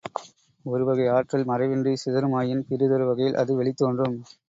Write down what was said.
ஒரு வகை ஆற்றல் மறைவின்றிச் சிதறுமாயின், பிறிதொரு வகையில் அது வெளித் தோன்றும்.